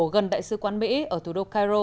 gần đại sứ quán mỹ ở thủ đô cairo